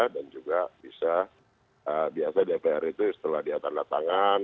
juga bisa biasa dpr itu setelah dia tanda tangan